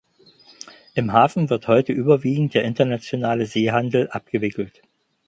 Im Hafen wird heute überwiegend der internationale Seehandel abgewickelt.